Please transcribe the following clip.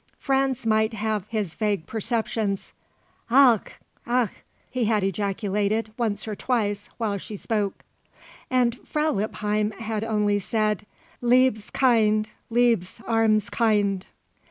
Franz might have his vague perceptions. "Ach! Ach!" he had ejaculated once or twice while she spoke. And Frau Lippheim had only said: "_Liebes Kind! Liebes, armes Kind!